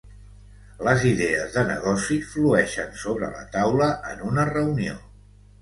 Les idees de negoci flueixen sobre la taula en una reunió.